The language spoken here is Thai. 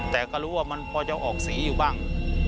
แต่ก็รู้ว่ามันพอจะออกสีอยู่บ้าง